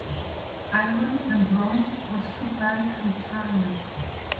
Iron and bronze was supplied from China.